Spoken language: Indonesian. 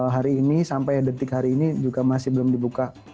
hari ini sampai detik hari ini juga masih belum dibuka